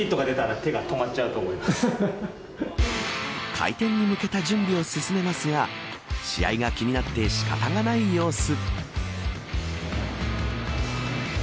開店に向けた準備を進めますが試合が気になって仕方がない様子。